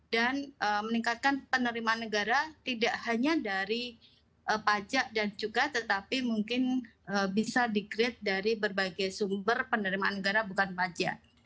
dan meningkatkan penerimaan negara tidak hanya dari pajak dan juga tetapi mungkin bisa di create dari berbagai sumber penerimaan negara bukan pajak